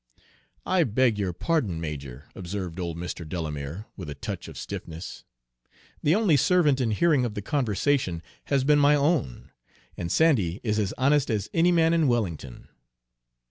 "I beg your pardon, major," observed old Mr. Delamere, with a touch of stiffness. "The only servant in hearing of the conversation has been my own; and Sandy is as honest as any man in Wellington."